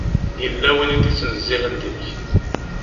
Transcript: Yella win i d-ittnezzihen deg-k.